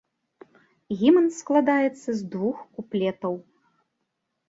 Гімн складаецца з двух куплетаў.